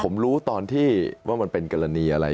ผมรู้ตอนที่ว่ามันเป็นกรณีอะไร